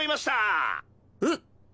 えっ！